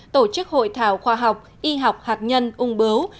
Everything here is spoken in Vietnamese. tổ chức hội thảo khoa học y học hạt nhân ung bướu